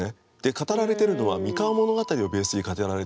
語られてるのは「三河物語」をベースに語られています。